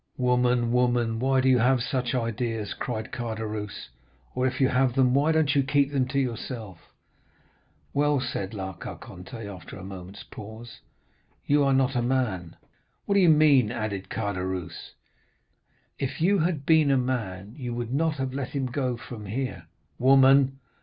"'Woman, woman—why do you have such ideas?' cried Caderousse; 'or, if you have them, why don't you keep them to yourself?' "'Well,' said La Carconte, after a moment's pause, 'you are not a man.' "'What do you mean?' added Caderousse. "'If you had been a man, you would not have let him go from here.' "'Woman!